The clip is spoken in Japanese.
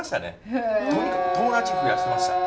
とにかく友達増やしてました。